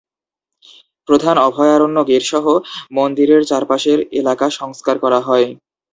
প্রধান অভয়ারণ্য গেটসহ মন্দিরের চারপাশের এলাকা সংস্কার করা হয়।